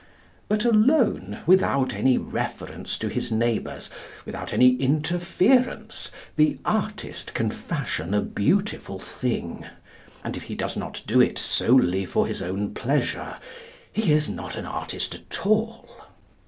But alone, without any reference to his neighbours, without any interference, the artist can fashion a beautiful thing; and if he does not do it solely for his own pleasure, he is not an artist at all.